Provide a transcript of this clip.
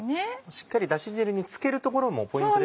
しっかりだし汁に漬けるところもポイントですか？